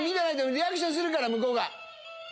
リアクションするから向こうが。